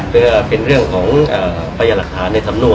พี่แจงในประเด็นที่เกี่ยวข้องกับความผิดที่ถูกเกาหา